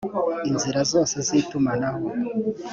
inzira zose z itumanaho